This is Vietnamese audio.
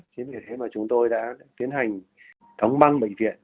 chính vì thế mà chúng tôi đã tiến hành thống băng bệnh viện